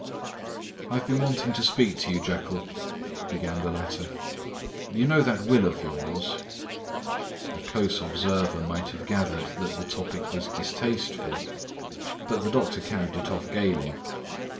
"I have been wanting to speak to you, Jekyll," began the latter. "You know that will of yours?" A close observer might have gathered that the topic was distasteful; but the doctor carried it off gaily.